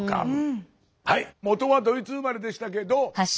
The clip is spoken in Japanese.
もとはドイツ生まれでしたけど！